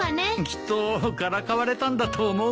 きっとからかわれたんだと思うよ。